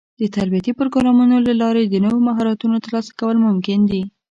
د تربيتي پروګرامونو له لارې د نوو مهارتونو ترلاسه کول ممکن دي.